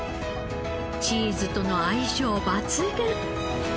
チーズとの相性抜群！